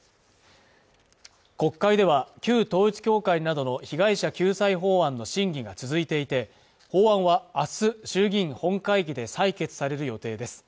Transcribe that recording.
国会では旧統一教会などの被害者救済法案の審議が続いていて法案はあす衆議院本会議で採決される予定です